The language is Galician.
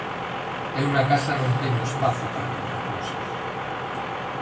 Eu na casa non teño espazo para tanta cousa.